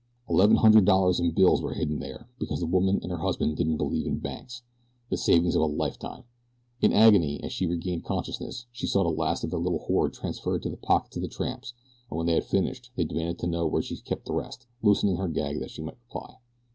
Eleven hundred dollars in bills were hidden there, because the woman and her husband didn't believe in banks the savings of a lifetime. In agony, as she regained consciousness, she saw the last of their little hoard transferred to the pockets of the tramps, and when they had finished they demanded to know where she kept the rest, loosening her gag that she might reply.